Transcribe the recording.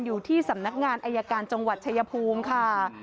อยู่ที่สำนักงานอายการจังหวัดชายภูมิค่ะ